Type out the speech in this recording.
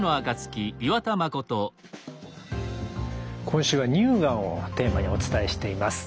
今週は乳がんをテーマにお伝えしています。